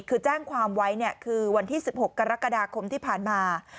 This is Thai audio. คือแจ้งความไว้คือวันที่๑๖กรกฎาคมที่ผ่านมา